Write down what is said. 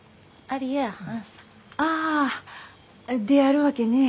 ああであるわけね。